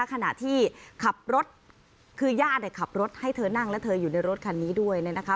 ขณะที่ขับรถคือญาติขับรถให้เธอนั่งและเธออยู่ในรถคันนี้ด้วยนะคะ